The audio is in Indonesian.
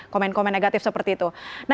komen komen negatif seperti itu